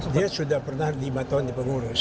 dia sudah pernah lima tahun di pengurus